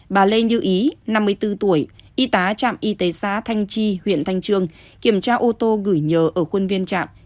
bà lê như ý năm mươi bốn tuổi y tá trạm y tế xã thanh chi huyện thanh trương kiểm tra ô tô gửi nhờ ở khuôn viên trạm